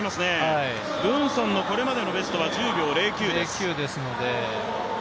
ブーンソンのこれまでのベストは１０秒０９です。